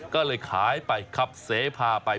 ก็เลยขายไปขับเสพาไป